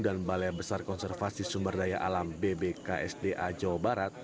dan balai besar konservasi sumber daya alam bbk sda jawa barat